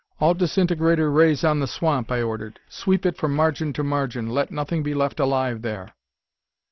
"All disintegrator rays on the swamp," I ordered. "Sweep it from margin to margin. Let nothing be left alive there."